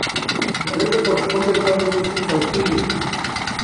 La letra corresponde al Padre Nuestro en suajili.